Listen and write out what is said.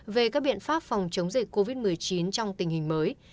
về các biện pháp phòng chống dịch covid một mươi chín trong tình hình mới